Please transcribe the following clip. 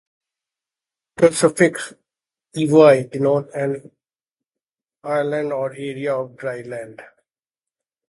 The suffix "-ey" denotes an island or area of dry land.